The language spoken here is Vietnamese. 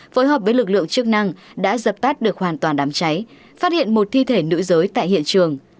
phối hợp với lực lượng chức năng đã dập tắt được hoàn toàn đám cháy phát hiện một thi thể nữ giới tại hiện trường